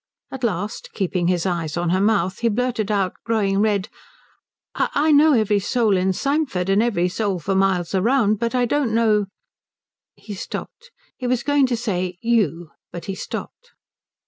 At last, keeping his eyes on her mouth he blurted out, growing red, "I know every soul in Symford, and every soul for miles round, but I don't know " He stopped. He was going to say "you," but he stopped.